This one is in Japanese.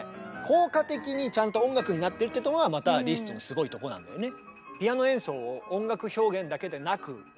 効果的にちゃんと音楽になってるっていうとこがまたリストのすごいとこなんだよね。